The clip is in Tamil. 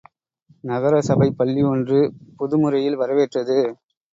நகர சபைப் பள்ளி ஒன்று புதுமுறையில் வரவேற்றது.